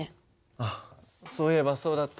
あっそういえばそうだった。